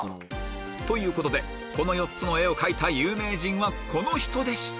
ということでこの４つの絵を描いた有名人はこの人でした！